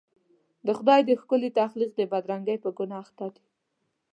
د خدای د ښکلي تخلیق د بدرنګۍ په ګناه اخته دي.